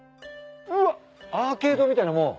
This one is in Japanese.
うわアーケードみたいなもん？